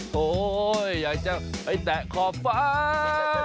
โหอยากจะไปแตะขอบฟ้า